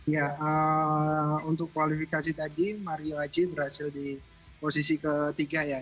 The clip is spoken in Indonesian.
ya untuk kualifikasi tadi mario aji berhasil di posisi ketiga ya